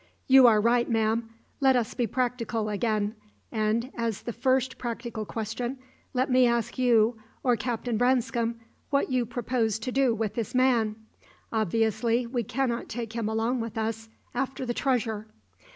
"You are right, ma'am. Let us be practical again; and, as the first practical question, let me ask you, or Captain Branscome, what you propose to do with this man? Obviously, we cannot take him along with us after the treasure."